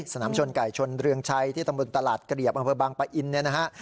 สนามชนไก่ชนเรืองชัยที่ตำบลตลาดเกลียบอำเภอบางปะอินเนี่ยนะฮะ